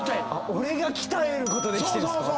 俺が鍛えることできてるんすか。